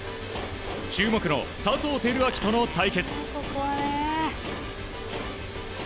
注目の佐藤輝明との対決。